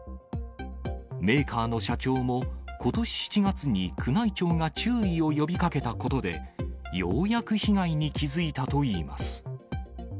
メーカーの社長も、ことし７月に宮内庁が注意を呼びかけたことで、ようやく被害に気付いたといいます。